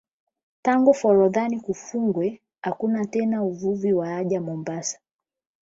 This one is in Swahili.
Tangu forodhani kufungwe hakuna tena uvuvi wa haja Mombasa